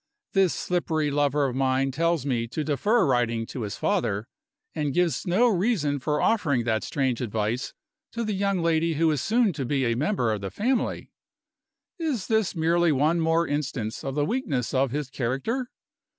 This slippery lover of mine tells me to defer writing to his father, and gives no reason for offering that strange advice to the young lady who is soon to be a member of the family. Is this merely one more instance of the weakness of his character?